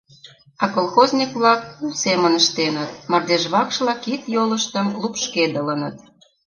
А колхозник-влак кул семын ыштеныт, мардежвакшла кид-йолыштым лупшкедылыныт.